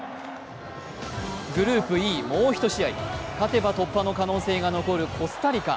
グループＥもう一試合勝てば突破の可能性が残るコスタリカ。